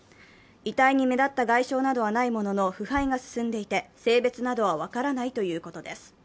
遺体に目立った外傷などはないものの腐敗が進んでいて性別などは分からないということです。